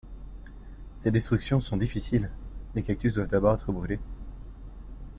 Ces destructions sont difficiles, les cactus doivent d'abord être brûlés.